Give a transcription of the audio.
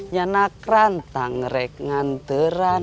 nyanak rantang rek nganteran